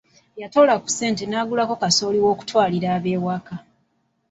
Yatoola ku ssente ze n'agulako kasooli ow'okutwalalira ab'ewaka.